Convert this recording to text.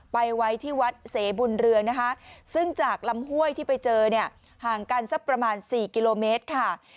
ไว้ที่วัดเสบุญเรืองนะคะซึ่งจากลำห้วยที่ไปเจอเนี่ยห่างกันสักประมาณ๔กิโลเมตรค่ะ